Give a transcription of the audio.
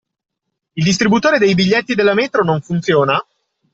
Il distributore dei biglietti della metro non funziona?